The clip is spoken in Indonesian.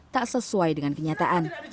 tak sesuai dengan kenyataan